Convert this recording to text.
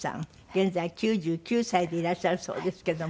現在９９歳でいらっしゃるそうですけども。